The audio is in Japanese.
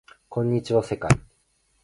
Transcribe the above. こんにちは世界